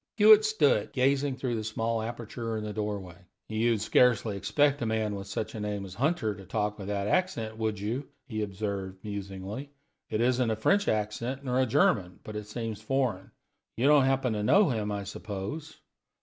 Hewitt stood still, gazing through the small aperture in the doorway. "You'd scarcely expect a man with such a name as Hunter to talk with that accent, would you?" he observed, musingly. "It isn't a French accent, nor a German; but it seems foreign. You don't happen to know him, I suppose?"